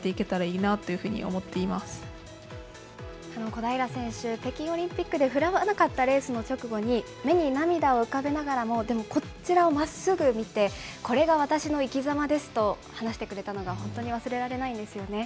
小平選手、北京オリンピックで振るわなかったレースの直後に、目に涙を浮かべながらも、でも、こちらをまっすぐ見て、これが私の生きざまですと話してくれたのが本当に忘れられないんですよね。